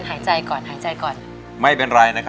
ช่วยที่ไหน